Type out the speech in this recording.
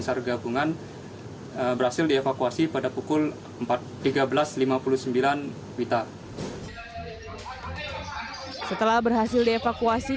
sargabungan berhasil dievakuasi pada pukul empat tiga belas lima puluh sembilan wita setelah berhasil dievakuasi